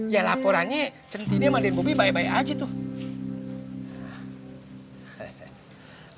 ya laporannya centini sama den bobby baik baik aja tuh